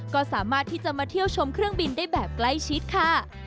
ก็สามารถที่จะมาเที่ยวชมเครื่องบินได้แบบใกล้ชิดค่ะ